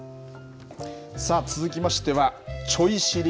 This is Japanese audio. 続きましては、ちょい知り！